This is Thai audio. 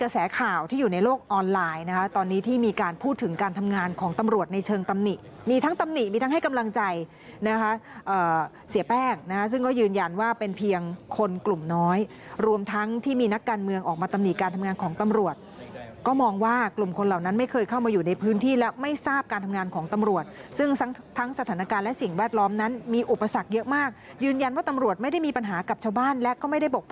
เสียแป้งซึ่งก็ยืนยันว่าเป็นเพียงคนกลุ่มน้อยรวมทั้งที่มีนักการเมืองออกมาตำหนี่การทำงานของตำรวจก็มองว่ากลุ่มคนเหล่านั้นไม่เคยเข้ามาอยู่ในพื้นที่และไม่ทราบการทำงานของตำรวจซึ่งทั้งสถานการณ์และสิ่งแวดล้อมนั้นมีอุปสรรคเยอะมากยืนยันว่าตำรวจไม่ได้มีปัญหากับชาวบ้านและก็ไม่ได้บกพร